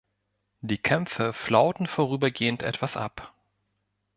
Die Kämpfe flauten vorübergehend etwas ab.